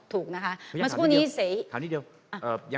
ถูกนะคะมาสักครู่นี้เสียอีก